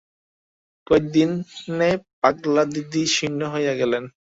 কয়েকদিনে পাগলদিদি শীর্ণ হইয়া গেলেন।